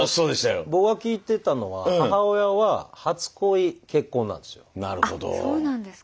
僕が聞いてたのは母親は初恋結婚なんですよ。